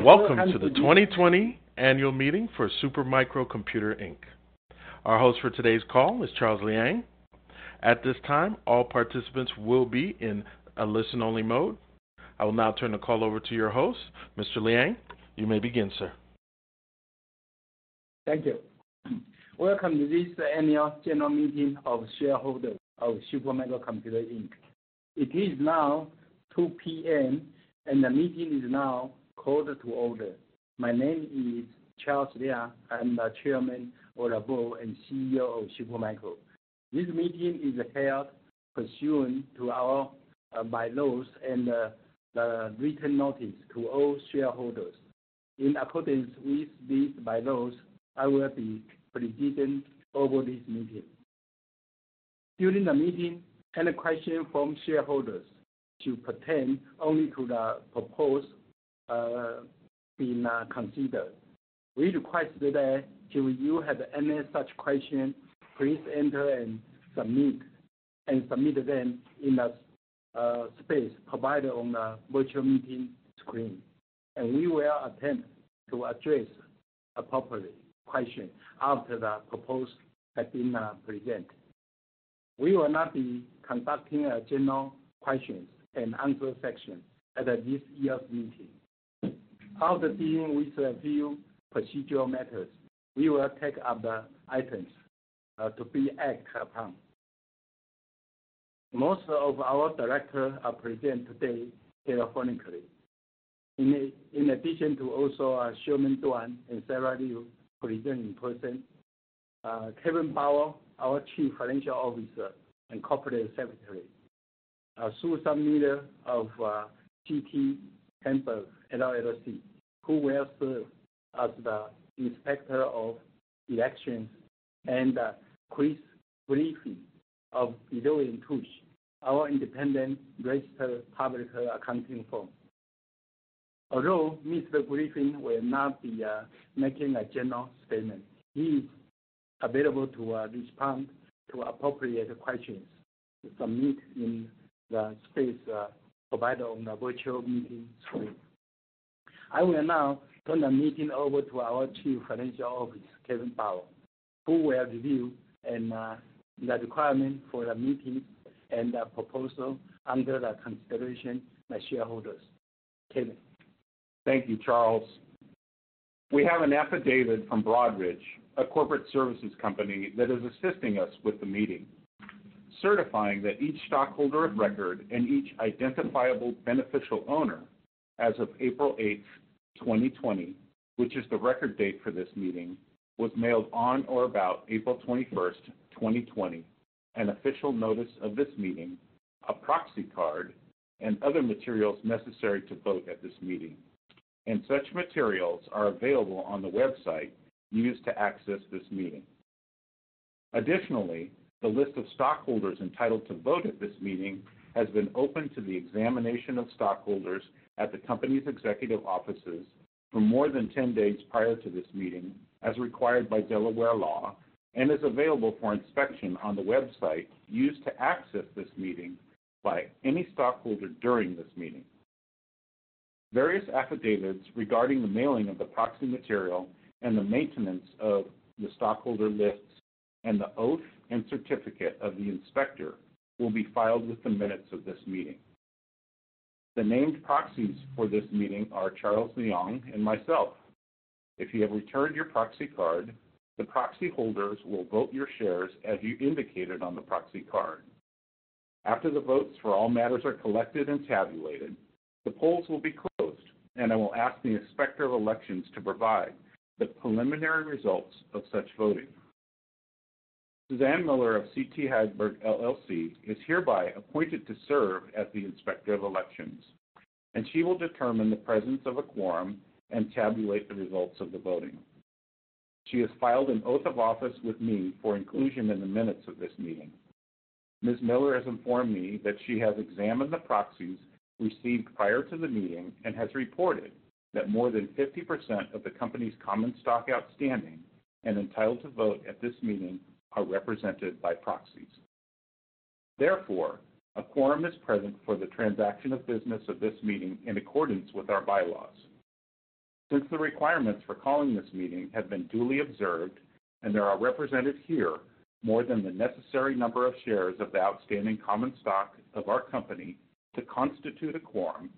Welcome to the 2020 annual meeting for Super Micro Computer, Inc. Our host for today's call is Charles Liang. At this time, all participants will be in a listen-only mode. I will now turn the call over to your host. Mr. Liang, you may begin, sir. Thank you. Welcome to this annual general meeting of shareholders of Super Micro Computer, Inc. It is now 2:00 P.M., and the meeting is now called to order. My name is Charles Liang. I'm the Chairman of the Board and CEO of Super Micro. This meeting is held pursuant to our bylaws and the written notice to all shareholders. In accordance with these bylaws, I will be presiding over this meeting. During the meeting, any question from shareholders should pertain only to the proposal being considered. We request that if you have any such question, please enter and submit them in the space provided on the virtual meeting screen, and we will attempt to address appropriate question after the proposal has been presented. We will not be conducting a general questions and answer section at this year's meeting. After dealing with a few procedural matters, we will take up the items to be acted upon. Most of our directors are present today telephonically. In addition to also Sherman Tuan and Sara Liu present in person, Kevin Powell, our chief financial officer and corporate secretary, Suzanne Miller of CT Hagberg LLC, who will serve as the inspector of elections, and Chris Griffin of Deloitte & Touche, our independent registered public accounting firm. Although Mr. Griffin will not be making a general statement, he is available to respond to appropriate questions submitted in the space provided on the virtual meeting screen. I will now turn the meeting over to our chief financial officer, Kevin Powell, who will review the requirement for the meeting and the proposal under the consideration by shareholders. Kevin. Thank you, Charles. We have an affidavit from Broadridge, a corporate services company that is assisting us with the meeting, certifying that each stockholder of record and each identifiable beneficial owner as of April 8th, 2020, which is the record date for this meeting, was mailed on or about April 21st, 2020, an official notice of this meeting, a proxy card, and other materials necessary to vote at this meeting, and such materials are available on the website used to access this meeting. Additionally, the list of stockholders entitled to vote at this meeting has been open to the examination of stockholders at the company's executive offices for more than 10 days prior to this meeting, as required by Delaware law, and is available for inspection on the website used to access this meeting by any stockholder during this meeting. Various affidavits regarding the mailing of the proxy material and the maintenance of the stockholder lists and the oath and certificate of the inspector will be filed with the minutes of this meeting. The named proxies for this meeting are Charles Liang and myself. If you have returned your proxy card, the proxy holders will vote your shares as you indicated on the proxy card. After the votes for all matters are collected and tabulated, the polls will be closed, and I will ask the inspector of elections to provide the preliminary results of such voting. Suzanne Miller of CT Hagberg LLC is hereby appointed to serve as the inspector of elections, and she will determine the presence of a quorum and tabulate the results of the voting. She has filed an oath of office with me for inclusion in the minutes of this meeting. Ms. Miller has informed me that she has examined the proxies received prior to the meeting and has reported that more than 50% of the company's common stock outstanding and entitled to vote at this meeting are represented by proxies. Therefore, a quorum is present for the transaction of business of this meeting in accordance with our bylaws. Since the requirements for calling this meeting have been duly observed and there are represented here more than the necessary number of shares of the outstanding common stock of our company to constitute a quorum,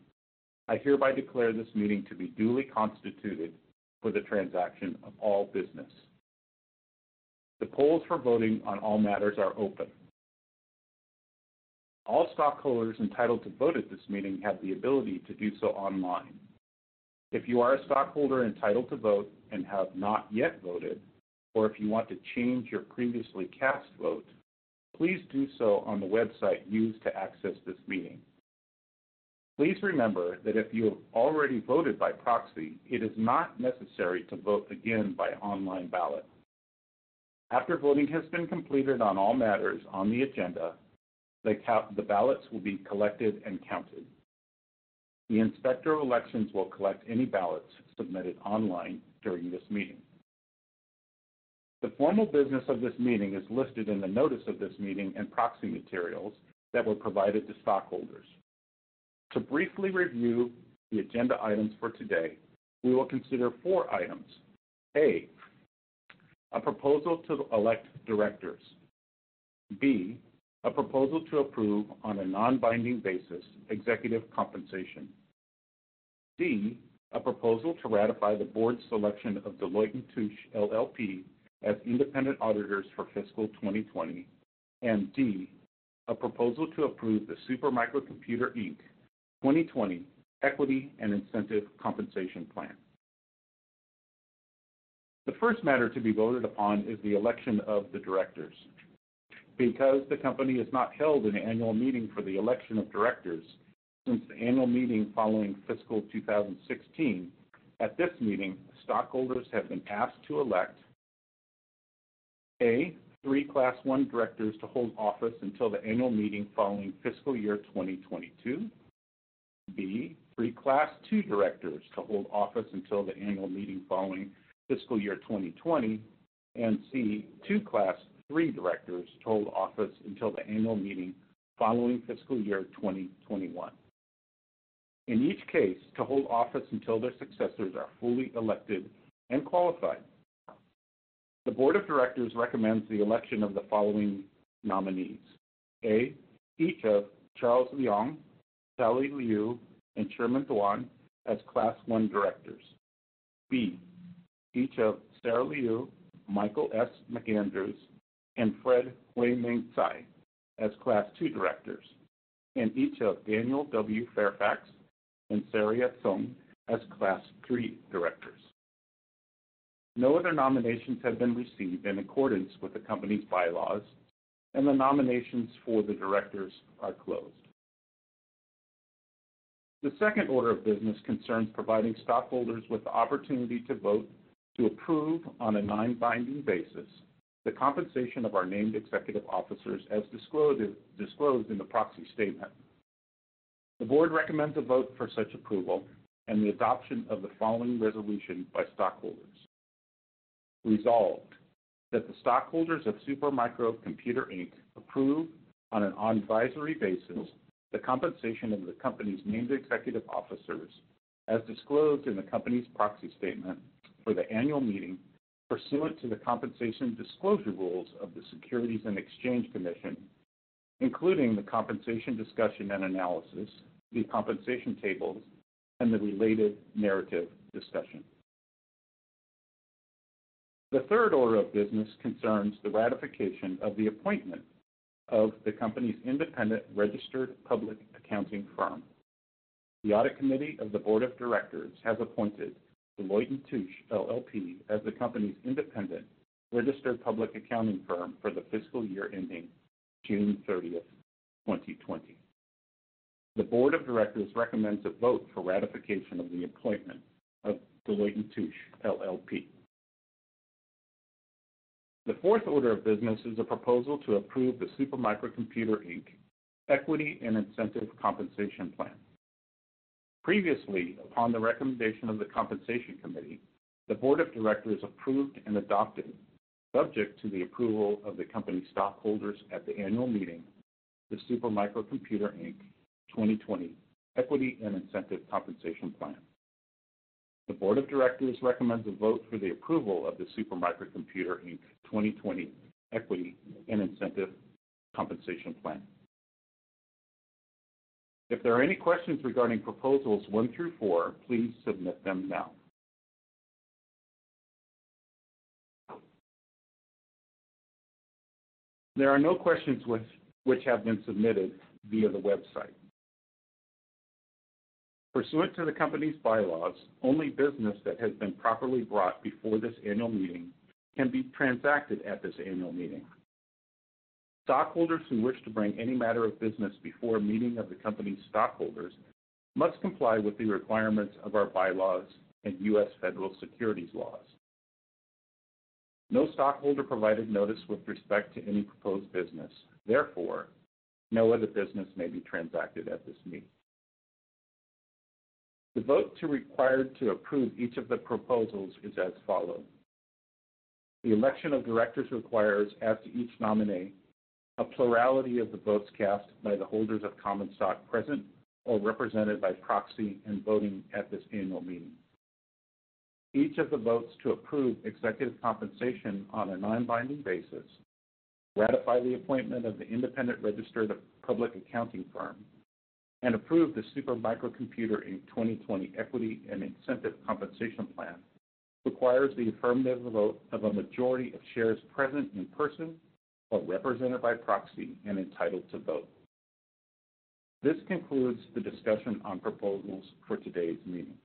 I hereby declare this meeting to be duly constituted for the transaction of all business. The polls for voting on all matters are open. All stockholders entitled to vote at this meeting have the ability to do so online. If you are a stockholder entitled to vote and have not yet voted, or if you want to change your previously cast vote, please do so on the website used to access this meeting. Please remember that if you have already voted by proxy, it is not necessary to vote again by online ballot. After voting has been completed on all matters on the agenda, the ballots will be collected and counted. The inspector of elections will collect any ballots submitted online during this meeting. The formal business of this meeting is listed in the notice of this meeting and proxy materials that were provided to stockholders. To briefly review the agenda items for today, we will consider four items. A, a proposal to elect directors. B, a proposal to approve on a non-binding basis executive compensation. C, a proposal to ratify the board's selection of Deloitte & Touche LLP as independent auditors for fiscal 2020. D, a proposal to approve the Super Micro Computer, Inc. 2020 Equity and Incentive Compensation Plan. The first matter to be voted upon is the election of the directors. Because the company has not held an annual meeting for the election of directors since the annual meeting following fiscal 2016, at this meeting, stockholders have been asked to elect, A, three Class I directors to hold office until the annual meeting following fiscal year 2022, B, three Class II directors to hold office until the annual meeting following fiscal year 2020, C, two Class III directors to hold office until the annual meeting following fiscal year 2021. In each case, to hold office until their successors are duly elected and qualified. The board of directors recommends the election of the following nominees. A, each of Charles Liang, Sara Liu, and Sherman Tuan as Class I directors. B, each of Sara Liu, Michael S. McAndrews, and Fred Wei-Ming Tsai as Class II directors, and each of Daniel W. Fairfax and Saria Tseng as Class III directors. No other nominations have been received in accordance with the company's bylaws. The nominations for the directors are closed. The second order of business concerns providing stockholders with the opportunity to vote to approve, on a non-binding basis, the compensation of our named executive officers as disclosed in the proxy statement. The board recommends a vote for such approval and the adoption of the following resolution by stockholders. Resolved, that the stockholders of Super Micro Computer, Inc. approve, on an advisory basis, the compensation of the company's named executive officers as disclosed in the company's proxy statement for the annual meeting pursuant to the compensation disclosure rules of the Securities and Exchange Commission, including the compensation discussion and analysis, the compensation tables, and the related narrative discussion. The third order of business concerns the ratification of the appointment of the company's independent registered public accounting firm. The audit committee of the board of directors has appointed Deloitte & Touche LLP as the company's independent registered public accounting firm for the fiscal year ending June 30th, 2020. The board of directors recommends a vote for ratification of the appointment of Deloitte & Touche LLP. The fourth order of business is a proposal to approve the Super Micro Computer, Inc. Equity and Incentive Compensation Plan. Previously, upon the recommendation of the compensation committee, the board of directors approved and adopted, subject to the approval of the company's stockholders at the annual meeting, the Super Micro Computer, Inc. 2020 Equity and Incentive Compensation Plan. The board of directors recommends a vote for the approval of the Super Micro Computer, Inc. 2020 Equity and Incentive Compensation Plan. If there are any questions regarding proposals one through four, please submit them now. There are no questions which have been submitted via the website. Pursuant to the company's bylaws, only business that has been properly brought before this annual meeting can be transacted at this annual meeting. Stockholders who wish to bring any matter of business before a meeting of the company's stockholders must comply with the requirements of our bylaws and U.S. federal securities laws. No stockholder provided notice with respect to any proposed business; therefore, no other business may be transacted at this meeting. The vote required to approve each of the proposals is as follows. The election of directors requires, as to each nominee, a plurality of the votes cast by the holders of common stock present or represented by proxy and voting at this annual meeting. Each of the votes to approve executive compensation on a non-binding basis, ratify the appointment of the independent registered public accounting firm, and approve the Super Micro Computer, Inc. 2020 Equity and Incentive Compensation Plan requires the affirmative vote of a majority of shares present in person or represented by proxy and entitled to vote. This concludes the discussion on proposals for today's meeting.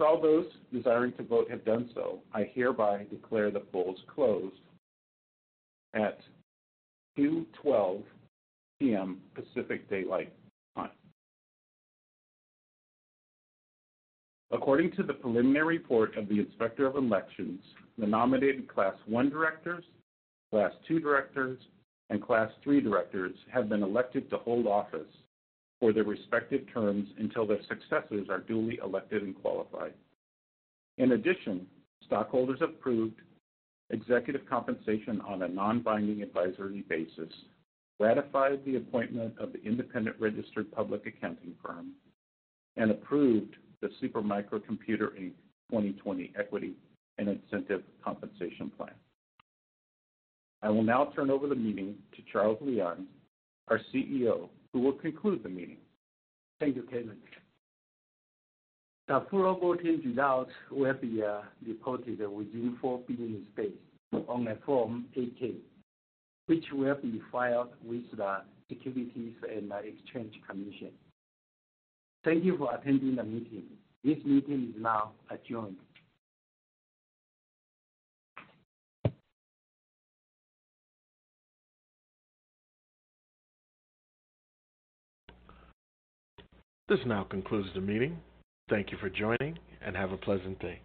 All those desiring to vote have done so, I hereby declare the polls closed at 2:12 P.M. Pacific Daylight Time. According to the preliminary report of the Inspector of Elections, the nominated Class I directors, Class II directors, and Class III directors have been elected to hold office for their respective terms until their successors are duly elected and qualified. In addition, stockholders approved executive compensation on a non-binding advisory basis, ratified the appointment of the independent registered public accounting firm, and approved the Super Micro Computer, Inc. 2020 Equity and Incentive Compensation Plan. I will now turn over the meeting to Charles Liang, our CEO, who will conclude the meeting. Thank you, Kevin. The full voting results will be reported within four business days on a Form 8-K, which will be filed with the Securities and Exchange Commission. Thank you for attending the meeting. This meeting is now adjourned. This now concludes the meeting. Thank you for joining, and have a pleasant day.